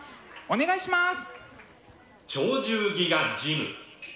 お願いします。